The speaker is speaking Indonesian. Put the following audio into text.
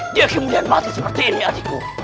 dia kemudian mati seperti ini adikku